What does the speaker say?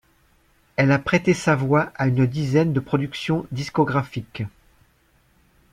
Elle a prêté sa voix à une dizaine de productions discographiques.